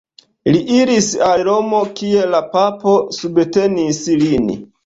Li iris al Romo, kie la papo subtenis lin.